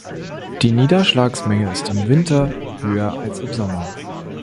Die Niederschlagsmenge ist im Winter höher als im Sommer.